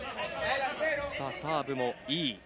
サーブもいい